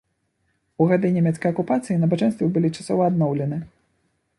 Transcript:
У гады нямецкай акупацыі набажэнствы былі часова адноўлены.